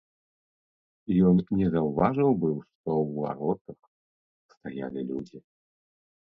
Ён не заўважыў быў, што ў варотах стаялі людзі.